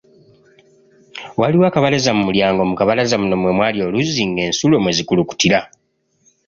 Waaliwo akabalaza mu mulyango mu kabalaza muno mwe mwali oluzzi ng'ensulo ekulukutira.